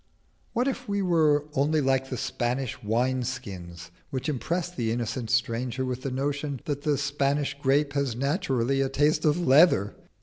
What if we were only like the Spanish wine skins which impress the innocent stranger with the notion that the Spanish grape has naturally a taste of leather?